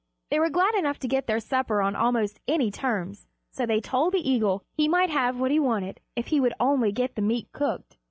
They were glad enough to get their supper on almost any terms, so they told the eagle he might have what he wanted if he would only get the meat cooked.